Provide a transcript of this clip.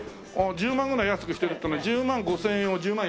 １０万ぐらい安くしてるってのは１０万５０００円を１０万安くしたの？